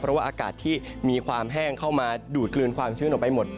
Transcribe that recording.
เพราะว่าอากาศที่มีความแห้งเข้ามาดูดกลืนความชื้นออกไปหมด